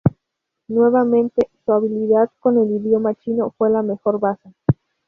Nuevamente, su habilidad con el idioma chino fue la mejor baza.